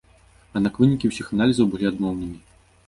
Аднак вынікі ўсіх аналізаў былі адмоўнымі.